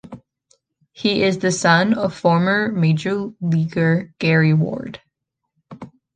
He is the son of former major leaguer Gary Ward.